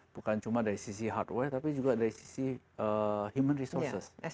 bukan cuma dari sisi hardware tapi juga dari sisi human resources